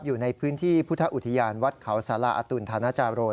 อยู่ในพื้นที่พุทธอุทยานวัดเขาสาราอตุลธานาจาโร